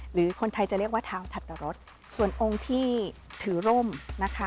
หรือคนไทยจะเรียกว่าเท้าถัตรรสส่วนองค์ที่ถือร่มนะคะ